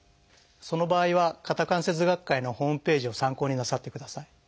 その場合は肩関節学会のホームページを参考になさってください。